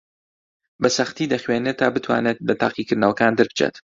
بەسەختی دەخوێنێت تا بتوانێت لە تاقیکردنەوەکان دەربچێت.